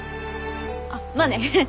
あっまあね。